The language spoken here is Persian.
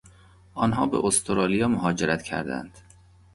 آنها به استرالیا مهاجرت کردند.